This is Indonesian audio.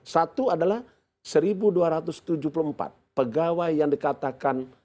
satu adalah satu dua ratus tujuh puluh empat pegawai yang dikatakan